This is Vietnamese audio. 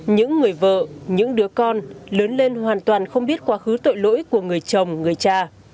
những người vợ những đứa con lớn lên hoàn toàn không biết quá khứ tội lỗi của người chồng người cha